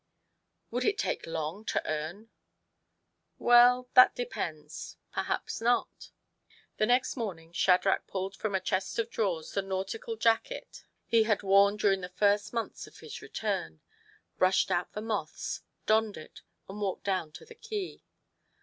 " Would it take long to earn ?"" Well, that depends ; perhaps not." The next morning Shadrach pulled from a chest of drawers the nautical jacket he had 124 TO PLEASE HIS WIFE. worn during the first months of his return, brushed out the moths, donned it, and walked down to the quay.